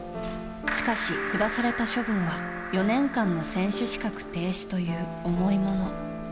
しかし、下された処分は４年間の選手資格停止という重いもの。